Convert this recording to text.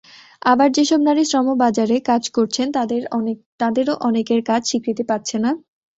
আবার যেসব নারী শ্রমবাজারে কাজ করছেন, তাঁদেরও অনেকের কাজ স্বীকৃতি পাচ্ছে না।